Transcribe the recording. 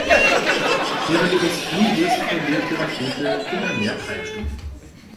Während ihres Fluges verliert die Rakete immer mehr Treibstoff.